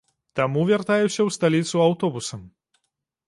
Таму вяртаюся ў сталіцу аўтобусам.